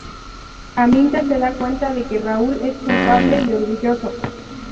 Aminta se da cuenta de que Raúl es culpable y orgulloso.